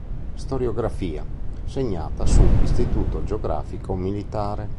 Storiografia: Segnata su Istituto Geografico Militare.